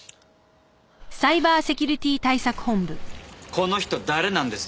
この人誰なんです？